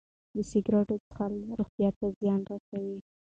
د سګرټو څښل روغتیا ته زیان رسوي.